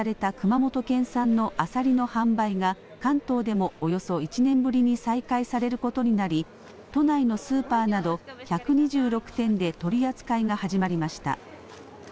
産地偽装問題を受けて出荷が一時停止された熊本県産のあさりの販売が関東でも、およそ１年ぶりに再開されることになり都内のスーパーなど１２６店で取り扱いが始まりました。